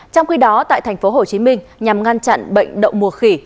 trong khi đó tại thành phố hồ chí minh nhằm ngăn chặn bệnh động mùa khỉ